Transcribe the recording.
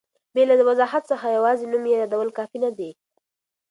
بې له وضاحت څخه یوازي نوم یادول کافي نه دي.